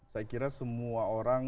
saya kira semua orang